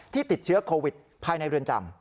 ติดเชื้อโควิดภายในเรือนจำ